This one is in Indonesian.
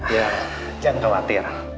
ya jangan khawatir